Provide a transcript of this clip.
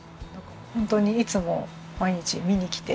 ホントにいつも毎日見に来て。